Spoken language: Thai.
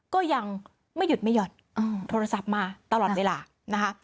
ก็ยังไม่หยุดไม่หย่อนโทรศัพท์มาตลอดเวลานะคะ